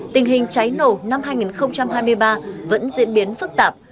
tình hình cháy nổ năm hai nghìn hai mươi ba vẫn diễn biến phức tạp